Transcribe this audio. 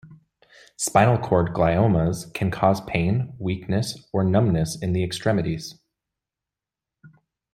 Spinal cord gliomas can cause pain, weakness, or numbness in the extremities.